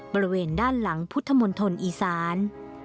บริเวณด้านหลังพุทธมนต์ธนตร์อีสาน